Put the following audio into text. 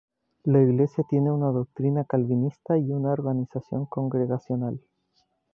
La iglesia tiene una doctrina calvinista y una organización congregacional.